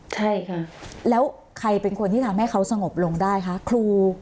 ใช่ค่ะแล้วใครเป็นคนที่ทำให้เขาสงบลงได้คะครู